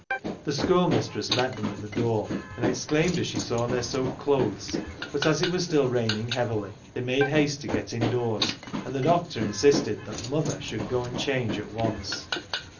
The schoolmistress met them at the door, and exclaimed as she saw their soaked clothes, but as it was still raining heavily they made haste to get indoors, and the doctor insisted that " mother " should go and change at once.